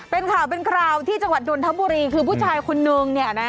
เป็นข่าวเป็นคราวที่จังหวัดดนทบุรีคือผู้ชายคนนึงเนี่ยนะ